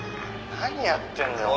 何やってんだよ。